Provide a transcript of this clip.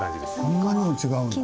こんなにも違うんだね。